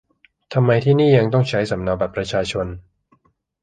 ทำไมที่นี่ยังต้องใช้สำเนาบัตรประชาชน